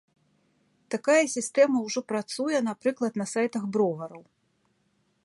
Такая сістэма ўжо працуе, напрыклад, на сайтах бровараў.